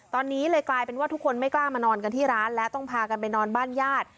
ตอนนี้เลยกลายเป็นว่าทุกคนไม่กล้ามานอนกันที่ร้านแล้วต้องพากันไปนอนบ้านญาติ